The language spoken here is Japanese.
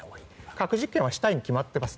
核実験はしたいに決まっています。